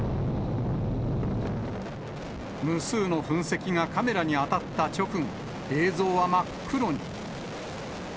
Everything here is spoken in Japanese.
無数の噴石がカメラに当たった直後、映像は真っ黒に。